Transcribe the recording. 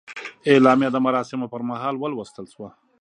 اعلامیه د مراسمو پر مهال ولوستل شوه.